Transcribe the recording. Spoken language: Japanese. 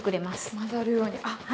混ざるように。